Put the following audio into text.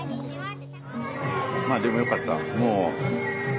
まあでもよかった。